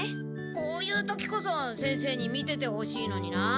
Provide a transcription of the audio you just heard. こういう時こそ先生に見ててほしいのにな。